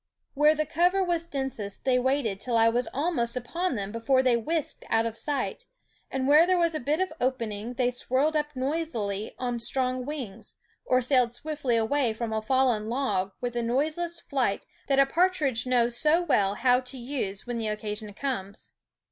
Where the cover was densest they waited till I was almost upon them before they whisked out of sight; and where there was a bit of opening they whirred up noisily on strong wings, or sailed swiftly away from a fallen log with the noiseless flight that a partridge knows so well how to use when the occasion comes.